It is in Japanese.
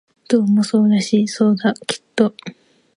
どうもそうらしい、そうだ、きっと